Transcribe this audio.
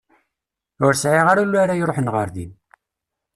Ur sεiɣ ara ul ara iruḥen ɣer din.